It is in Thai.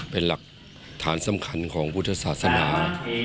เป็นหลักฐานสำคัญของพุทธศาสนา